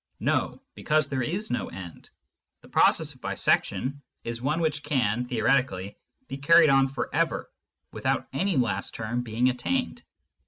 '' No, because there is no end. The process of bisection is one which can, theoretically, be carried on for ever, without any last term being attained.